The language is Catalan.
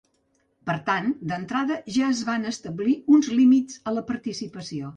Per tant, d’entrada ja es van establir uns límits a la participació.